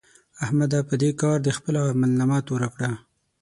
احمده! په دې کار دې خپله عملنامه توره کړه.